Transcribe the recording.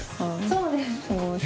そうです。